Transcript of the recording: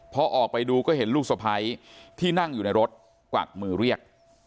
พอออกไปดูก็เห็นลูกสะพ้ายที่นั่งอยู่ในรถกวักมือเรียก